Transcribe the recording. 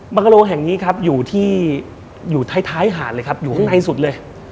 กะโลแห่งนี้ครับอยู่ที่อยู่ท้ายหาดเลยครับอยู่ข้างในสุดเลย